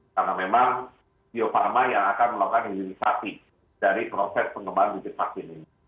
karena memang bio farma yang akan melakukan higienisasi dari proses pengembangan bibit vaksin ini